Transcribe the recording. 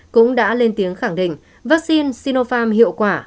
cũng đã lên tiếng khẳng định vaccine sinopharm hiệu quả